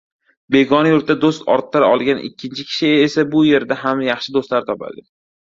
Begona yurtda doʻst orttira olgan ikkinchi kishi esa bu yerda ham yaxshi doʻstlar topadi.